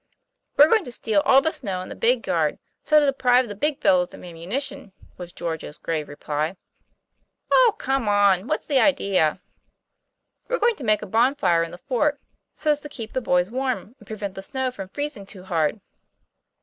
'We're going to steal all the snow in the big yard, so's to deprive the big fellows of ammunition," was George's grave reply. 'Oh, come on! what's the idea?" 'We're going to make a bonfire in the fort, so's to keep the boys warm and prevent the snow from freezing too hard."